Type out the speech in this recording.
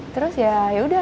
terus ya yaudah